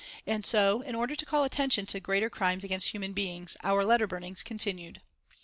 And so, in order to call attention to greater crimes against human beings, our letter burnings continued.